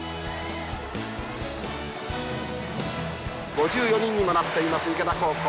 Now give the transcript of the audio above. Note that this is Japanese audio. ５４人にもなっています池田高校。